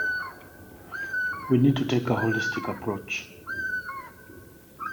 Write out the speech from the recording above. We need to take a holistic approach.